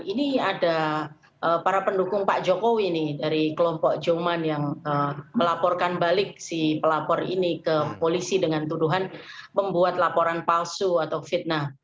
ini ada para pendukung pak jokowi nih dari kelompok joman yang melaporkan balik si pelapor ini ke polisi dengan tuduhan membuat laporan palsu atau fitnah